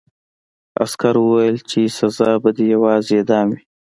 عسکر وویل چې سزا به دې یوازې اعدام وي